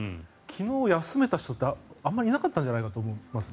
昨日休めた人ってあまりいなかったんじゃないかと思います。